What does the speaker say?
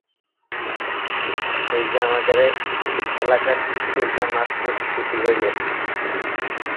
Duff ভ্রাতৃদ্বয়, Shawn Levy এবং Dan Cohen হল এই ধারাবাহিকের নির্বাহী প্রযোজক।